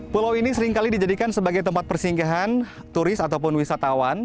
pulau ini seringkali dijadikan sebagai tempat persinggahan turis ataupun wisatawan